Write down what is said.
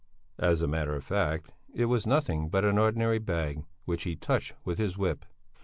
As a matter of fact it was nothing but an ordinary bag which he touched with his whip.